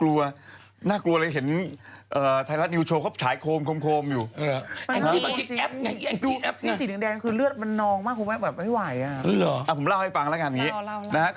แต่ว่ากลัวว่าจับผิดจับถูก